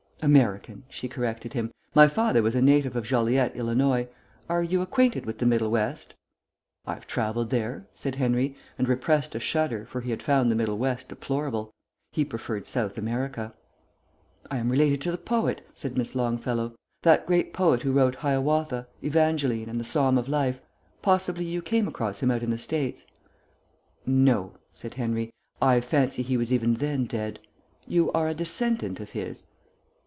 "American," she corrected him. "My father was a native of Joliet, Ill. Are you acquainted with the Middle West?" "I've travelled there," said Henry, and repressed a shudder, for he had found the Middle West deplorable. He preferred South America. "I am related to the poet," said Miss Longfellow. "That great poet who wrote Hiawatha, Evangeline, and The Psalm of Life. Possibly you came across him out in the States?" "No," said Henry. "I fancy he was even then dead. You are a descendant of his?"